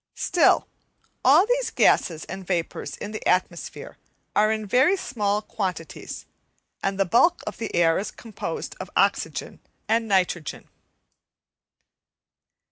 Still, all these gases and vapours in the atmosphere are in very small quantities, and the bulk of the air is composed of oxygen and nitrogen.